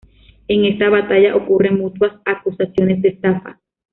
En esta batalla, ocurren mutuas acusaciones de estafa.